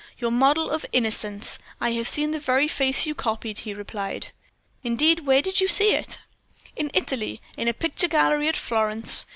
"'Your model of "Innocence." I have seen the very face you copied,' he replied. "'Indeed, where did you see it?' "'In Italy, in a picture gallery at Florence.